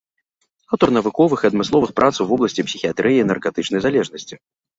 Аўтар навуковых і адмысловых прац у вобласці псіхіятрыі і наркатычнай залежнасці.